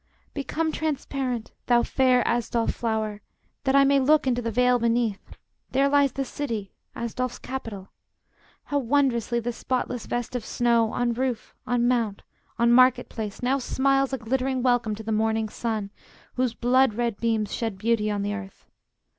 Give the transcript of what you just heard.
] Become transparent, thou fair Asdolf flower, That I may look into the vale beneath! There lies the city, Asdolf's capital: How wondrously the spotless vest of snow On roof, on mount, on market place now smiles A glittering welcome to the morning sun, Whose blood red beams shed beauty on the earth!